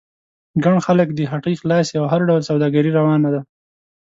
ګڼ خلک دي، هټۍ خلاصې او هر ډول سوداګري روانه ده.